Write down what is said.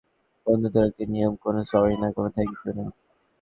বন্ধুত্বের একটি নিয়ম, কোন সরি না, কোন থ্যাংক ইউ না।